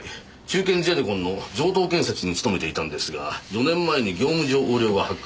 中堅ゼネコンの城東建設に勤めていたんですが４年前に業務上横領が発覚して服役。